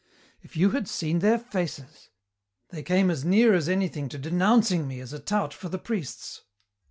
If you had seen their faces! They came as near as anything to denouncing me as a tout for the priests.